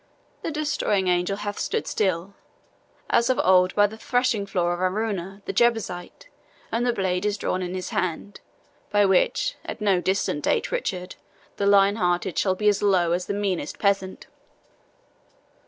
The destroying angel hath stood still, as of old by the threshing floor of Araunah the Jebusite, and the blade is drawn in his hand, by which, at no distant date, Richard, the lion hearted, shall be as low as the meanest peasant."